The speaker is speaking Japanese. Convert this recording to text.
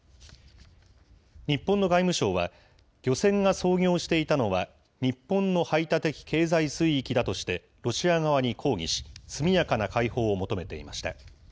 日本の外務省は、漁船が操業していたのは、日本の排他的経済水域だとして、ロシア側に抗議し、速やかな解放を求めていました。